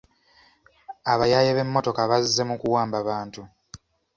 Abayaaye b'emmotoka bazze mu kuwamba bantu.